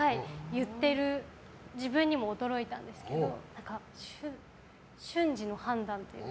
言ってる自分にも驚いたんですけど瞬時の判断が。